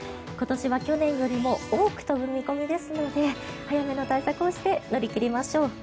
今年は去年よりも多く飛ぶ見込みですので早めの対策をして乗り切りましょう。